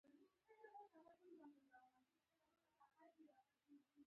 هفت زره یهودان او دوه زره مسیحیان ژوند کوي.